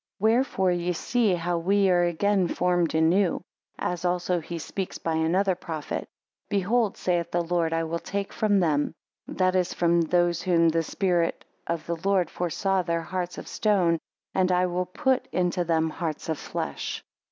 16 Wherefore ye see how we are again formed anew; as also he speaks by another prophet; Behold saith the Lord, I will take from them; that is, from those whom the spirit I of the Lord foresaw, their hearts of stone, and I will put into them hearts of flesh.